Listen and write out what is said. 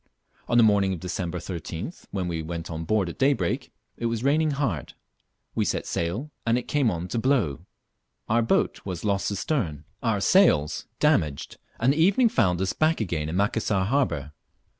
On the morning of December 13th, when we went on board at daybreak, it was raining hard. We set sail and it came on to blow. Our boat was lost astern, our sails damaged, and the evening found us hack again in Macassar harbour.